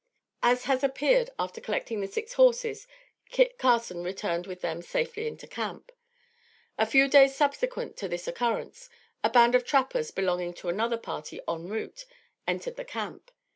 As has appeared, after collecting the six horses, Kit Carson returned with them safely into camp. A few days subsequent to this occurrence, a band of trappers belonging to another party en route, entered the camp.